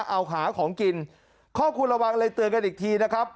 เอาหาของกินครอบครัวระวังเลยเตือนกันอีกทีนะครับ